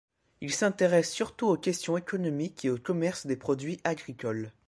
Il s'intéresse surtout aux questions économiques et au commerce des produits agricoles.